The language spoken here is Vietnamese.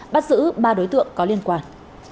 bắt giữ ba đối tượng có liên quan